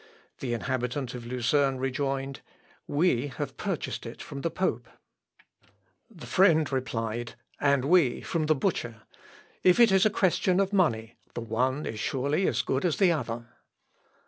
The inhabitant of Lucerne rejoined, "We have purchased it from the pope." The friend "And we from the butcher. If it is a question of money, the one is surely as good as the other."